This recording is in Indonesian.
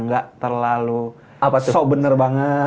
gak terlalu so benar banget